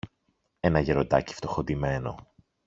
ένα γεροντάκι φτωχοντυμένο